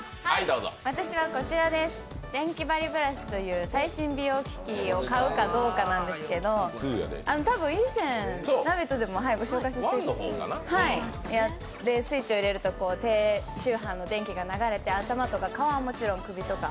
デンキバリブラシという、最新美容機器を買うかどうかなんですけれども、多分、以前「ラヴィット！」でもご紹介させていただいて、スイッチを入れると低周波の電気が流れて頭とか顔はもちろん、首とか。